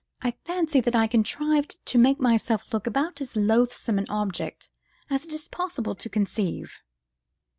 I fancy that I contrived to make myself look about as loathsome an object as it is possible to conceive."